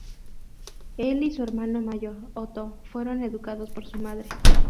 Él y su hermano mayor Otto fueron educados por su madre.